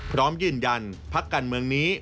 พร้อมยืนยันพักการเมืองนี้